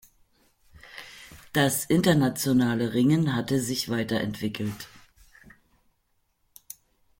Das internationale Ringen hatte sich weiter entwickelt.